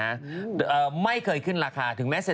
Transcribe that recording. สนุนโดยดีที่สุดคือการให้ไม่สิ้นสุด